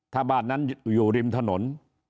ถ้าบ้านนั้นอยู่ริมถนน